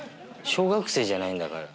小学生じゃないんだから。